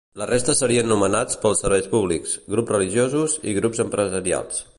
La resta serien nomenats pels serveis públics, grups religiosos i grups empresarials.